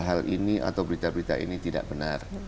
hal ini atau berita berita ini tidak benar